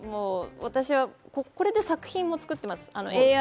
私はこれで作品も作ってます。